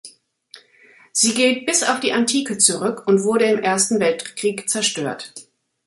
Sie geht bis auf die Antike zurück und wurde im Ersten Weltkrieg zerstört.